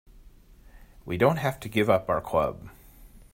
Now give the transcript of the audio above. We don't have to give up our club.